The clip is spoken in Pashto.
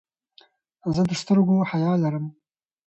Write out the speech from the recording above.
زه د سترګو حیا لرم.